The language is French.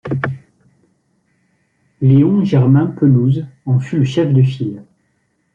Léon Germain Pelouse en fut le chef de file.